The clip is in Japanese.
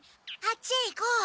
あっちへ行こう。